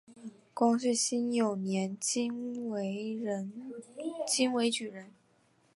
光绪辛卯年京闱举人。